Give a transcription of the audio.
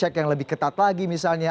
ada check yang lebih ketat lagi misalnya